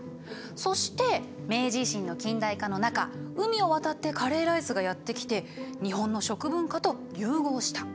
そして明治維新の近代化の中海を渡ってカレーライスがやって来て日本の食文化と融合した。